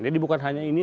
jadi bukan hanya ini